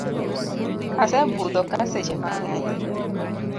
Asebudhoka seche mangeny.